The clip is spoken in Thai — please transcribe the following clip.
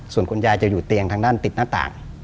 ส่วนคุณยายจะอยู่เตียงทางด้านติดหน้าต่าง